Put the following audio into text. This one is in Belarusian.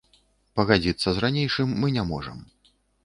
Пагадзіцца з ранейшым мы не можам.